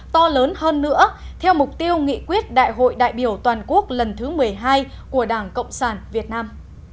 to lớn hơn nữa theo mục tiêu nghị quyết đại hội đại biểu toàn quốc lần thứ một mươi hai của đảng cộng sản việt nam